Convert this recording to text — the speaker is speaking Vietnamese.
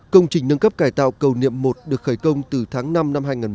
công trình nâng cấp cài tạo cầu niệm một được khởi công từ tháng năm năm hai nghìn một mươi bốn